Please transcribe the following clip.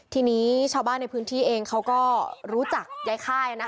ทีนี้ชาวบ้านในพื้นที่เองเขาก็รู้จักยายค่าย